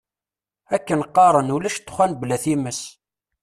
Akken qqaren ulac ddexxan bla times.